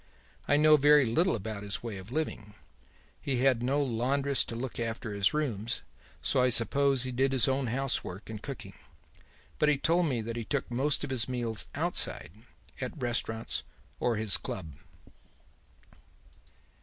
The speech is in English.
I know very little about his way of living. He had no laundress to look after his rooms, so I suppose he did his own house work and cooking; but he told me that he took most of his meals outside, at restaurants or his club.